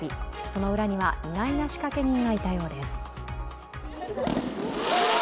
その裏には意外な仕掛け人がいたようです。